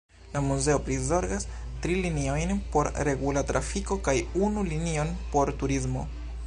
La muzeo prizorgas tri liniojn por regula trafiko kaj unu linion por turistoj.